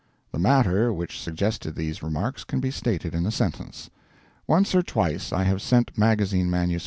The matter which suggested these remarks can be stated in a sentence. Once or twice I have sent magazine MSS.